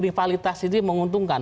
rivalitas ini menguntungkan